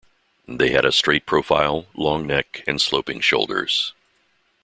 They had a straight profile, long neck, and sloping shoulders.